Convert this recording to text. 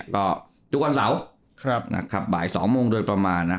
ก็ทุกวันเสาร์บ่าย๒โมงโดยประมาณนะ